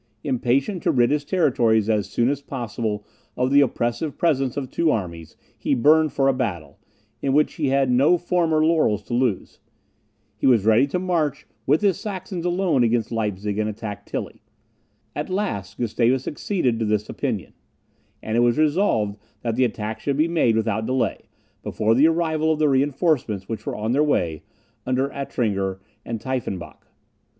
Impatient to rid his territories as soon as possible of the oppressive presence of two armies, he burned for a battle, in which he had no former laurels to lose. He was ready to march with his Saxons alone against Leipzig, and attack Tilly. At last Gustavus acceded to his opinion; and it was resolved that the attack should be made without delay, before the arrival of the reinforcements, which were on their way, under Altringer and Tiefenbach.